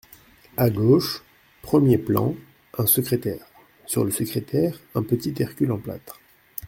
À gauche, premier plan, un secrétaire, sur le secrétaire un petit Hercule en plâtre.